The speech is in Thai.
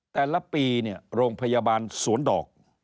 แต่ละปีเนี่ยโรงพยาบาลสวนดอก